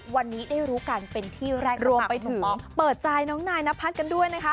วันนี้ได้รู้กันเป็นที่แรกรวมไปถึงเปิดใจน้องนายนพัฒน์กันด้วยนะคะ